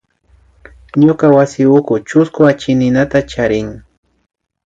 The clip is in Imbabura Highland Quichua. Ñuka wasi ukuka chusku achikninata charin